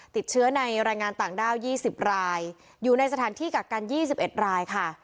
ติดเชื้อในรายงานต่างด้าว๒๐รายอยู่ในสถานที่กักกัน๒๑รายค่ะ